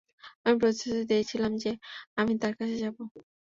আমি প্রতিশ্রুতি দিয়েছিলাম যে আমি তার কাছে যাবো।